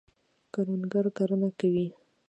کروندګر کرنه کوي.